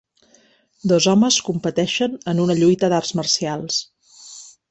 Dos homes competeixen en una lluita d'arts marcials.